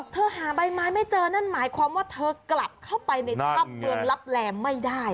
หาใบไม้ไม่เจอนั่นหมายความว่าเธอกลับเข้าไปในถ้ำเมืองลับแลไม่ได้